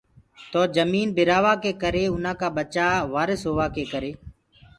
تو جميٚن بِرآ وآ ڪي ڪري اُنآ ڪآ ٻچآ وارس هووا ڪي ڪري